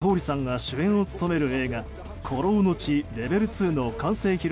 松坂桃李さんが主演を務める映画「孤狼の血ＬＥＶＥＬ２」の完成披露